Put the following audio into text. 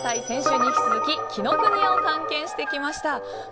先週に引き続き紀ノ国屋を探検してきました。